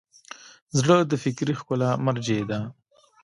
زړه د فکري ښکلا مرجع ده.